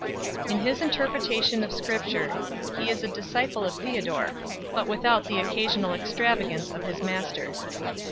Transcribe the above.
In his interpretation of ; c . 457. Scripture he is a disciple of Theodore, but without the occasional extravagance of his master.